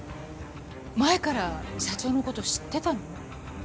前から社長の事知ってたの？